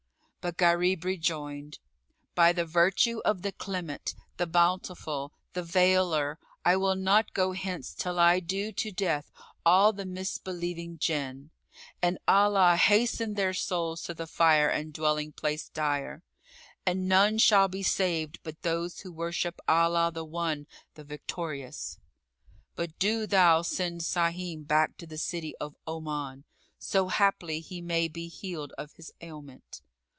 But Gharib rejoined "By the virtue of the Clement, the Bountiful, the Veiler, I will not go hence till I do to death all the misbelieving Jinn; and Allah hasten their souls to the fire and dwelling place dire; and none shall be saved but those who worship Allah the One, the Victorious! But do thou send Sahim back to the city of Oman, so haply he may be healed of his ailment."